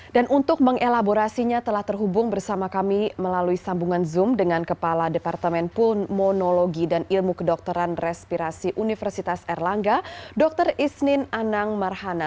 dan untuk mengelaborasinya telah terhubung bersama kami melalui sambungan zoom dengan kepala departemen pulmonologi dan ilmu kedokteran respirasi universitas erlangga dr isnin anang marhana